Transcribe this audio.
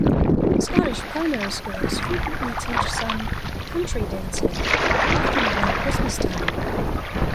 Scottish primary schools frequently teach some "country dancing", often around Christmas time.